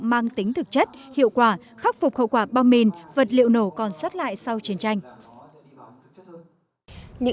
mang tính thực chất hiệu quả khắc phục khẩu quả bom mìn vật liệu nổ còn xuất lại sau chiến tranh